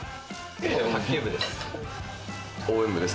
卓球部です。